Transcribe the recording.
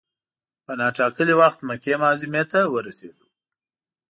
په نا ټا کلي وخت مکې معظمې ته ورسېدو.